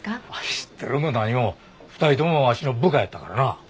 知ってるも何も２人ともわしの部下やったからな。